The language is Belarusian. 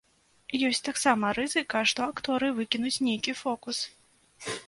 Ёсць таксама рызыка, што акторы выкінуць нейкі фокус.